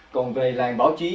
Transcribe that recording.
còn về làng báo chí